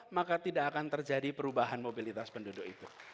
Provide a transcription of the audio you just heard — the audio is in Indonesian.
maka tidak akan terjadi perubahan mobilitas penduduk itu